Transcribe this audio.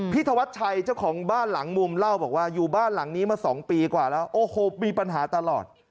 ธวัชชัยเจ้าของบ้านหลังมุมเล่าบอกว่าอยู่บ้านหลังนี้มา๒ปีกว่าแล้วโอ้โหมีปัญหาตลอด